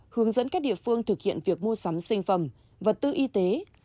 hướng dẫn các địa phương thực hiện việc mua sắm sinh phẩm vật tư y tế